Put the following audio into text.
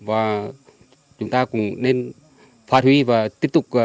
và chúng ta cũng nên phát huy và tiếp tục phối hợp